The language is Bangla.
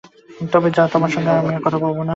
তবে যাও, তোমার সঙ্গে আমি আর কথা কব না।